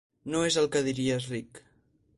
No és el que diries ric.